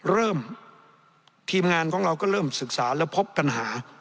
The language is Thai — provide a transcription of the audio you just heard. เริ่มทีมงานของเราก็เริ่มศึกษาแล้วพบปัญหา